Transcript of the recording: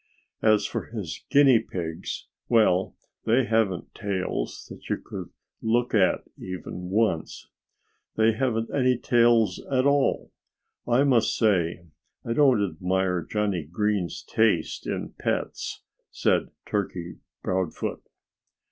As for his Guinea Pigs well, they haven't tails that you could look at even once. They haven't any tails at all. I must say I don't admire Johnnie Green's taste in pets," said Turkey Proudfoot.